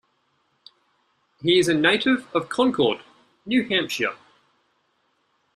He is a native of Concord, New Hampshire.